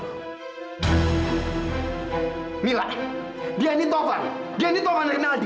mila dia ini tohan dia ini tohan renaldi